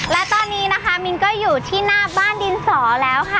และตอนนี้นะคะมินก็อยู่ที่หน้าบ้านดินสอแล้วค่ะ